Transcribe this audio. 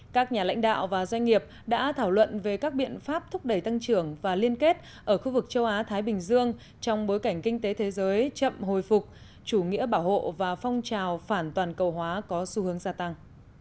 các nhà lãnh đạo và doanh nghiệp đã thảo luận về các biện pháp thúc đẩy tăng trưởng và liên kết ở khu vực châu á thái bình dương trong bối cảnh kinh tế thế giới chậm hồi phục chủ nghĩa bảo hộ và phong trào phản toàn cầu hóa có xu hướng gia tăng